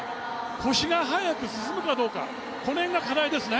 腰が早く進むかどうか、この辺が課題ですね。